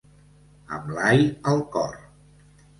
Amb l'ai al cor.